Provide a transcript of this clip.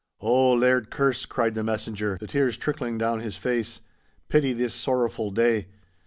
'Oh, Laird Kerse,' cried the messenger, the tears trickling down his face, 'pity this sorrowfu' day!